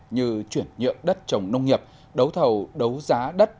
như chuyển nhượng đất trồng nông nghiệp đấu thầu đấu giá đất